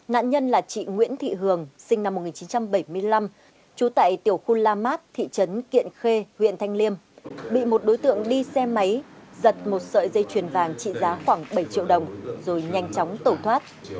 nạn nhân là chị nguyễn thị hường sinh năm một nghìn chín trăm bảy mươi năm trú tại tiểu khu la mát thị trấn kiện khê huyện thanh liêm bị một đối tượng đi xe máy giật một sợi dây chuyền vàng trị giá khoảng bảy triệu đồng rồi nhanh chóng tẩu thoát